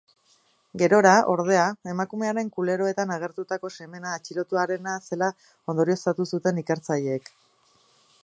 Gerora, ordea, emakumearen kuleroetan agertutako semena atxilotuarena zela ondorioztatu zuten ikertzaileek.